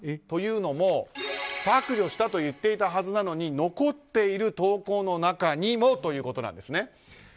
というのも削除したと言っていたはずなのに残っている投稿の中にもということなんですね。